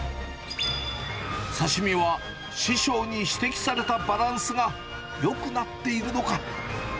刺身は師匠に指摘されたバランスがよくなっているのか。